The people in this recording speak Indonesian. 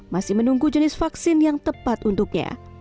masih menunggu jenis vaksin yang tepat untuknya